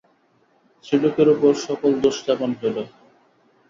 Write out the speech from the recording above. স্ত্রীলোকের উপর সকল দোষ চাপান হইল।